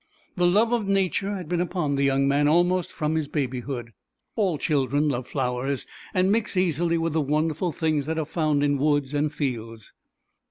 The love of Nature had been upon the young man almost from his babyhood. All children love flowers and mix easily with the wonderful things that are found in woods and fields.